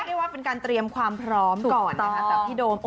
เรียกว่าเป็นการเตรียมความพร้อมก่อนนะคะจากพี่โดม